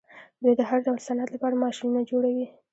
دوی د هر ډول صنعت لپاره ماشینونه جوړوي.